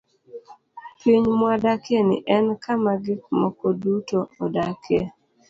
Piny mwadakieni en kama gik moko duto odakie.